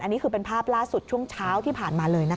อันนี้คือเป็นภาพล่าสุดช่วงเช้าที่ผ่านมาเลยนะคะ